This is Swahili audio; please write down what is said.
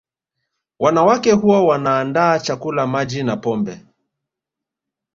Wanawake huwa wanaandaa chakula Maji na pombe